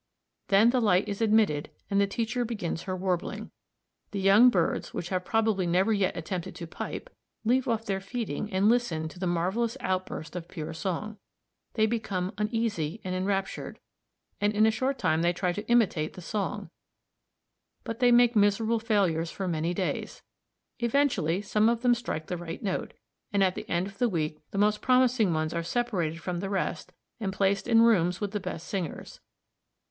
Then the light is admitted and the teacher begins her warbling. The young birds, which have probably never yet attempted to pipe, leave off their feeding and listen to the marvelous outburst of pure song. They become uneasy and enraptured, and in a short time they try to imitate the song; but they make miserable failures for many days. Eventually some of them strike the right note, and at the end of the week the most promising ones are separated from the rest and placed in rooms with the best singers.